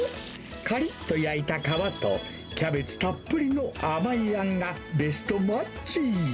かりっと焼いた皮と、キャベツたっぷりの甘いあんが、ベストマッチ。